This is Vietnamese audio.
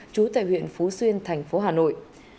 trú tại huyện phú xuyên thành phố hà nội